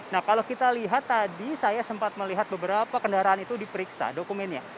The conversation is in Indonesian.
nah kalau kita lihat tadi saya sempat melihat beberapa kendaraan itu diperiksa dokumennya